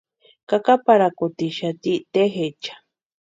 Kakaparhakutixati tejecha.